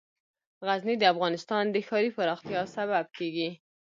غزني د افغانستان د ښاري پراختیا سبب کېږي.